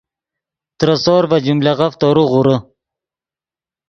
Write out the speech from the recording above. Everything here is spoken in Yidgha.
ترے سور ڤے جملغف تورو غورے